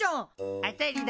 当たりだ。